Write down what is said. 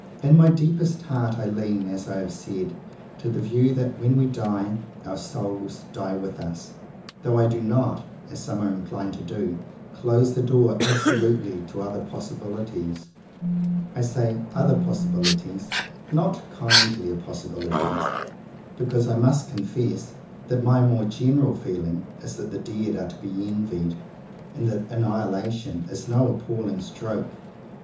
In my deepest heart I lean, as I have said, to the view that, when we die, our "souls" die with us, though I do not, as some are inclined to do, close the door absolutely to other possibilities. I say "other" possibilities, not kindlier possibilities, because I must confess that my more general feeling is that the dead are to be envied, and that annihilation is no "appalling stroke."